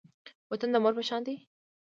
وطن د مور په شان دی